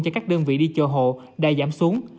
cho các đơn vị đi chờ hộ đã giảm xuống